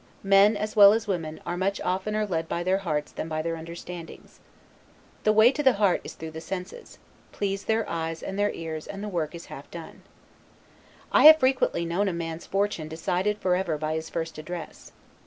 Men, as well as women, are much oftener led by their hearts than by their understandings. The way to the heart is through the senses; please their eyes and their ears and the work is half done. I have frequently known a man's fortune decided for ever by his first address.